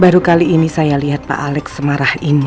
baru kali ini saya lihat pak alex semarah ini